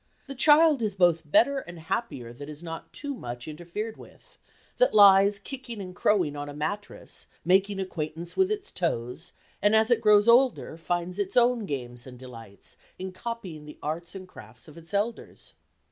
The child is both better and happier that is not too much interfered with; that lies kicking and crowing on a mattress, making acquaintance with its toes, and as it grows older, finds its own games and delights, in copying the arts and crafts of its elders.